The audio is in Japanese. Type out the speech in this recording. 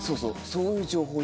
そういう情報よ。